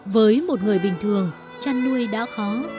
với một người bình thường chăn nuôi đã khó